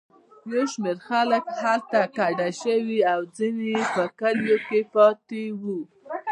یو شمېر خلک هلته کډه شوي او ځینې په کلیو کې پاتې وو.